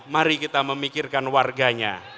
mari kita memikirkan warganya